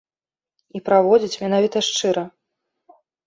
І праводзіць менавіта шчыра.